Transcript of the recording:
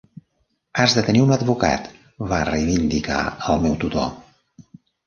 "Has de tenir un advocat", va reivindicar el meu tutor.